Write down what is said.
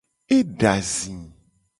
Eda zi.